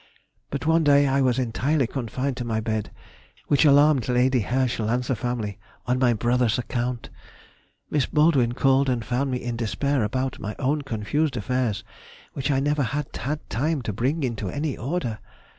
But one day I was entirely confined to my bed, which alarmed Lady Herschel and the family on my brother's account. Miss Baldwin called and found me in despair about my own confused affairs, which I never had had time to bring into any order.